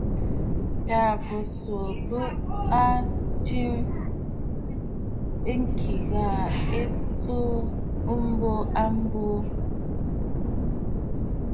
Tâ bo tsuu bə̂ a njɨ̀m ɨ kɨ ghàà, ɨ tsuu ɨbùꞌù a mbo mɨ̀lùꞌù ɨ kɨɨ bə.